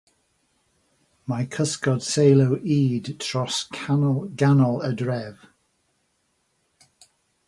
Mae cysgod seilo ŷd tros ganol y dref.